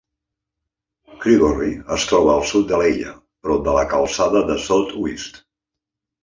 Creagorry es troba al sud de l'illa, prop de la calçada de South Uist.